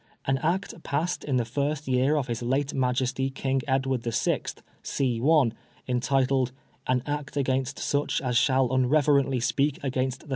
An Act passed in the first year of his late Majesty King Edward VL, c. 1, intituled ' An Act against such as shall un reverently speak against the